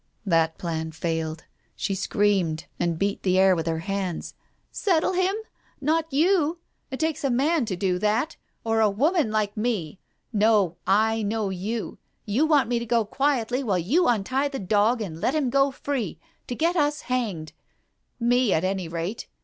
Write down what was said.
That plan failed. She screamed, and beat the air with her hands. "Settle him? Not you. It takes a man to do that — or a woman like me ! No, I know you. You want me to go quietly, while you untie the dog, and let him go free to get us hanged — me, at any rate.